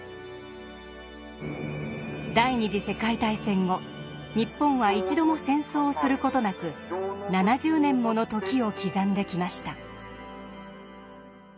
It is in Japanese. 第二次世界大戦後日本は一度も戦争をする事なく７０年もの時を刻んできました。